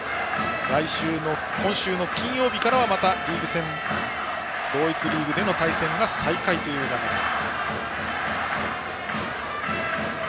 今週の金曜日からはまたリーグ戦同一リーグでの対戦が再開という流れです。